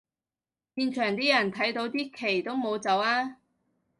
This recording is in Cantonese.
現場啲人睇到啲旗都冇走吖